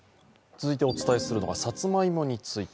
続いてお伝えするのが、サツマイモについて。